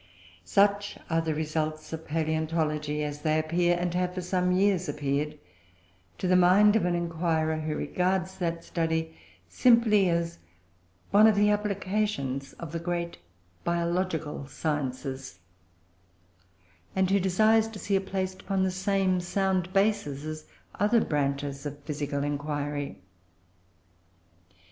Such are the results of palaeontology as they appear, and have for some years appeared, to the mind of an inquirer who regards that study simply as one of the applications of the great biological sciences, and who desires to see it placed upon the same sound basis as other branches of physical inquiry.